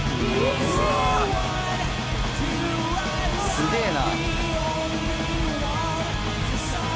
「すげえな」